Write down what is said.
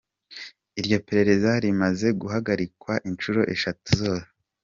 Iryo perereza rimaze guhagarikwa inshuro eshatu zose.